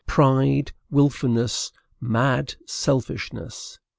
Pride, wilfulness, mad selfishness!